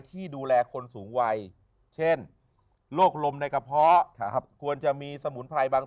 ที่ดูแลคนสูงวัยเช่นโรคลมในกระเพาะควรจะมีสมุนไพรบาง